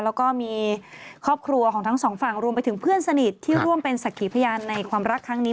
แล้วก็มีครอบครัวของทั้งสองฝั่งรวมไปถึงเพื่อนสนิทที่ร่วมเป็นสักขีพยานในความรักครั้งนี้